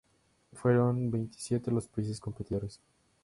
Fueron veintisiete los países competidores.